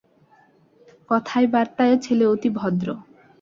কথায় বার্তায়ও ছেলে অতি ভদ্র।